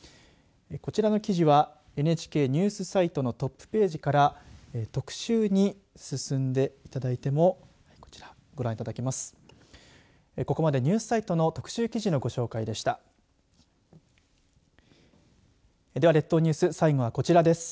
こちらの記事はＮＨＫニュースサイトのトップページから、特集に進んでいただいてもこちら、ご覧いただけます。